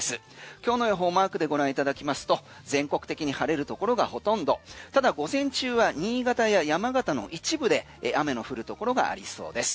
今日の予報マークでご覧いただきますと全国的に晴れるところがほとんどただ午前中は新潟や山形の一部で雨の降るところがありそうです。